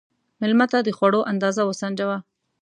مېلمه ته د خوړو اندازه وسنجوه.